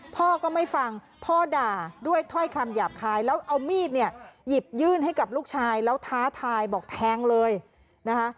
พ่อก็ไม่ฟังพ่อด่าด้วยถ้อยคำหยาบคายแล้วเอามีดเนี่ยหยิบยื่นให้กับลูกชายแล้วท้าทายบอกแทงเลยนะคะ